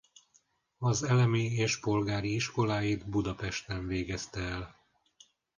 Az elemi és polgári iskoláit Budapesten végezte el.